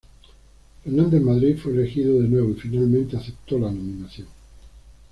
Fernández Madrid fue elegido de nuevo y finalmente aceptó la nominación.